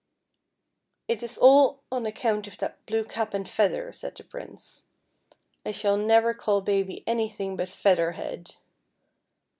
" It is all on account of that blue cap and feather," said the Prince. " I shall never call Baby an\ thing but Feather Head."